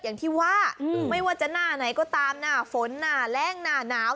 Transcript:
อย่างที่ว่าไม่ว่าจะหน้าไหนก็ตามหน้าฝนหน้าแรงหน้าหนาว